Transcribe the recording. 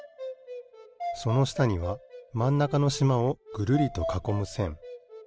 そのしたにはまんなかのしまをぐるりとかこむせん。